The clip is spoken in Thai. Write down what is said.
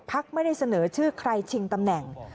ไม่ได้เสนอชื่อใครชิงตำแหน่ง